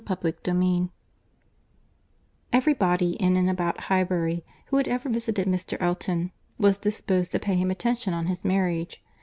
CHAPTER XVI Every body in and about Highbury who had ever visited Mr. Elton, was disposed to pay him attention on his marriage.